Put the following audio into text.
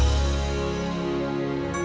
ulan ismu sudah jalan jalan